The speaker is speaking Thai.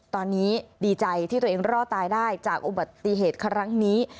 ตอนนี้ดีใจที่ตัวเองรอดตายได้จากอุบัติเหตุครั้งนี้